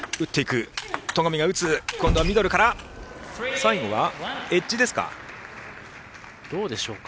最後はエッジですか。